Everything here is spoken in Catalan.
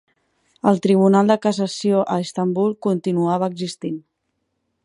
El Tribunal de Cassació a Istanbul continuava existint.